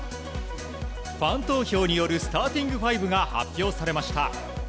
ファン投票によるスターティングファイブが発表されました。